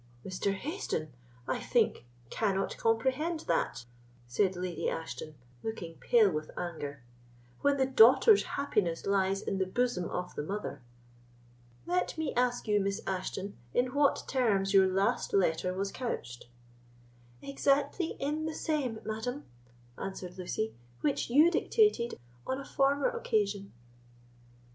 "Mr. Hayston, I think, cannot comprehend that," said Lady Ashton, looking pale with anger, "when the daughter's happiness lies in the bosom of the mother. Let me ask you, Miss Ashton, in what terms your last letter was couched?" "Exactly in the same, madam," answered Lucy, "which you dictated on a former occasion."